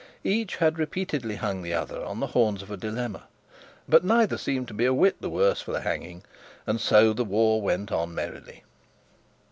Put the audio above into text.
Each had repeatedly hung the other on the horns of a dilemma; but neither seemed to a whit the worse for the hanging; and so the war went on merrily.